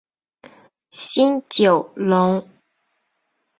新九龙。